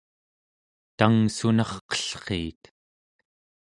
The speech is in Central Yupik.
tangssunarqellriit